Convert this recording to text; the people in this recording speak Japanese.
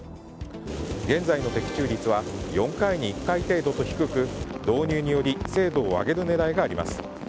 現在の的中率は４回に１回程度と低く導入により精度を上げる狙いがあります。